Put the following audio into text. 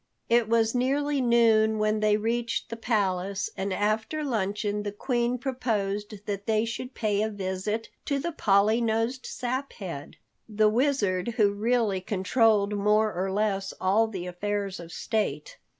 It was nearly noon when they reached the palace, and after luncheon, the Queen proposed that they should pay a visit to the Polly nosed Saphead, the Wizard who really controlled more or less all the affairs of state.